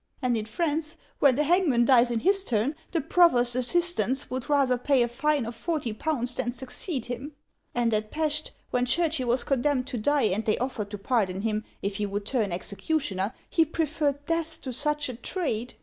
And in France, when the hangman dies in his turn, the provost's assistants would rather pay a fine of forty pounds than succeed him '. And at Pesth, when Churchill was condemned to die, and they offered to par don him if he would turn executioner, he preferred death to such a trade.